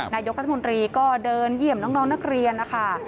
นายกรัฐมนตรีก็เดินเยี่ยมน้องนักเรียนนะคะ